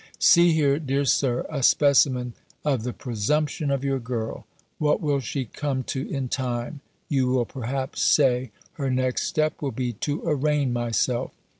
See here, dear Sir, a specimen of the presumption of your girl: "What will she come to in time!" you will perhaps say, "Her next step will be to arraign myself."